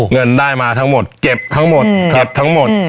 เงินได้มาทั้งหมดเก็บทั้งหมด